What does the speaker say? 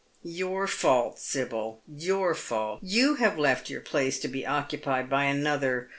Your fault, Sibyl, your fault. You have left your place to be occupied by another.